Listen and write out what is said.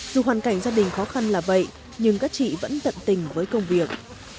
dù hoàn cảnh gia đình khó khăn là vậy nhưng các chị vẫn tận tình với công việc